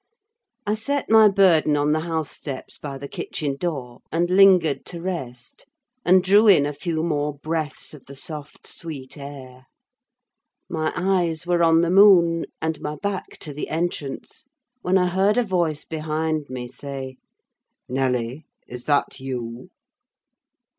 I set my burden on the house steps by the kitchen door, and lingered to rest, and drew in a few more breaths of the soft, sweet air; my eyes were on the moon, and my back to the entrance, when I heard a voice behind me say,—"Nelly, is that you?"